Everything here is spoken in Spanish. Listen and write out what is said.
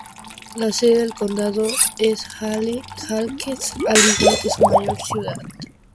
La sede del condado es Haskell, al igual que su mayor ciudad.